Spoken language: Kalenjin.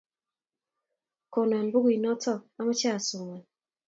Konon pukuinotok ,amoche asoman.